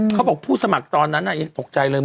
เขาบอกผู้สมัครตอนนั้นยังตกใจเลย